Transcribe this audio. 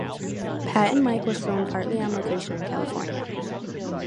"Pat and Mike" was filmed partly on location in California.